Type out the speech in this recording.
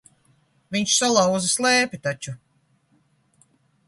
Viņš salauza slēpi taču.